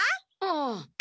ああ。